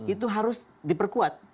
itu harus diperkuat